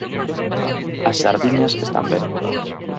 As sardiñas están ben.